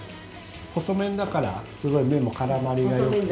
細麺だからすごい麺も絡まりがよくて。